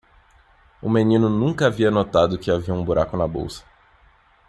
O menino nunca havia notado que havia um buraco na bolsa.